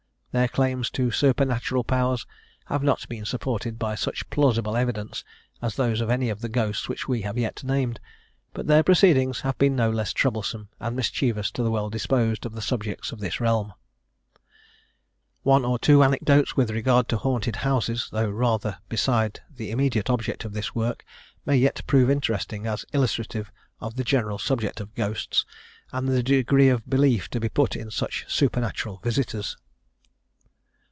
Their claims to supernatural powers have not been supported by such plausible evidence as those of any of the ghosts which we have yet named, but their proceedings have been no less troublesome and mischievous to the well disposed of the subjects of this realm. One or two anecdotes with regard to haunted houses, though rather beside the immediate object of this work, may yet prove interesting, as illustrative of the general subject of ghosts, and the degree of belief to be put in such supernatural visitors.